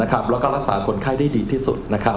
แล้วก็รักษาคนไข้ได้ดีที่สุด